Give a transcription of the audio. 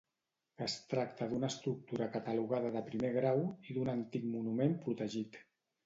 Es tracta d'una estructura catalogada de primer grau i d'un antic monument protegit.